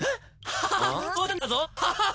ハハハハ！